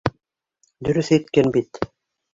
Дөрөҫ әйткән бит!